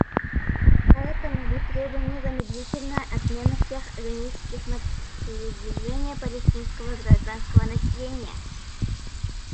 Поэтому мы требуем незамедлительной отмены всех ограничений на передвижение палестинского гражданского населения.